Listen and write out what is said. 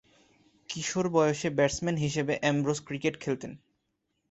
কিশোর বয়সে ব্যাটসম্যান হিসেবে Ambrose cricket খেলতেন।